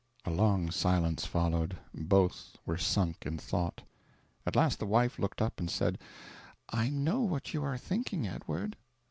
A long silence followed; both were sunk in thought. At last the wife looked up and said: "I know what you are thinking, Edward."